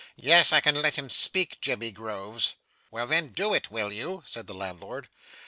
'Yes, I can let him speak, Jemmy Groves.' 'Well then, do it, will you?' said the landlord.